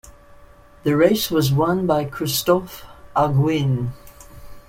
The race was won by Christophe Auguin.